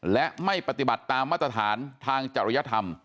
และไม่ปฏิบัติตามมาตรฐานทางจริยธรรม